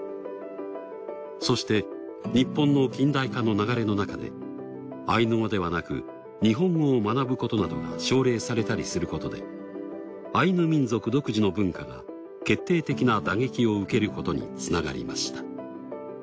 そして日本の近代化の流れのなかでアイヌ語ではなく日本語を学ぶことなどが奨励されたりすることでアイヌ民族独自の文化が決定的な打撃を受けることにつながりました。